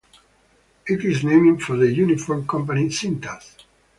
It is named for the uniform company Cintas.